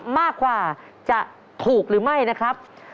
มากกว่าจะถูกหรือไม่นะครับ